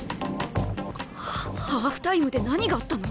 ハーフタイムで何があったの？